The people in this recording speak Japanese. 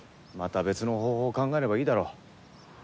また別の方法を考えればいいだろ。